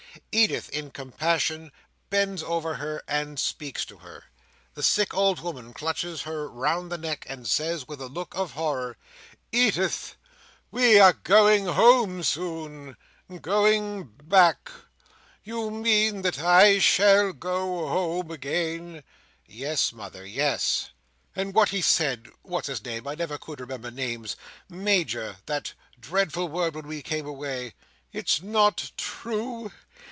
Edith, in compassion, bends over her and speaks to her. The sick old woman clutches her round the neck, and says, with a look of horror, "Edith! we are going home soon; going back. You mean that I shall go home again?" "Yes, mother, yes." "And what he said—what's his name, I never could remember names—Major—that dreadful word, when we came away—it's not true?